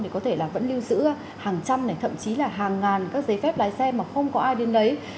thì có thể là vẫn lưu giữ hàng trăm này thậm chí là hàng ngàn các giấy phép lái xe mà không có ai đến đấy